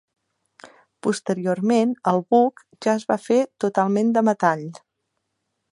Posteriorment el buc ja es va fer totalment de metall.